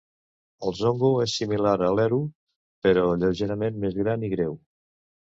El "zhonghu" és similar a l'erhu, però lleugerament més gran i greu.